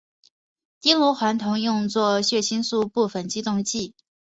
丁螺环酮用作血清素部分激动剂。